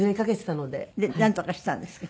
でなんとかしたんですか？